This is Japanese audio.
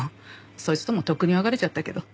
そいつともとっくに別れちゃったけど。